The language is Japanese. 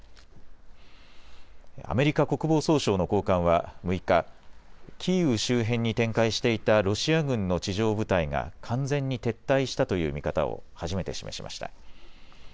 アメリカ国防総省の高官は６日、キーウ周辺に展開していたロシア軍の地上部隊が完全に撤退したという見方を初めて示しました。